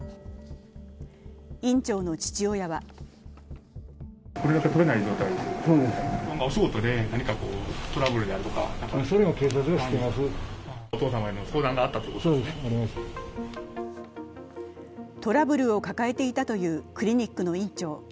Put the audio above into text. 院長の父親はトラブルを抱えていたというクリニックの院長。